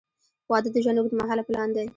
• واده د ژوند اوږدمهاله پلان دی.